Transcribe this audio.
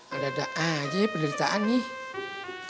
ada da'ah aja ya penderitaan nih